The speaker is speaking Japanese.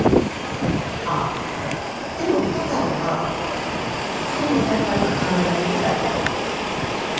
あっでもほたるは子どもの役割とか考えなくていいからね。